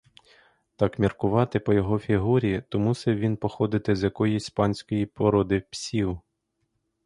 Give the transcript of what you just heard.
Так міркувати по його фігурі, то мусив він походити з якоїсь панської породи псів.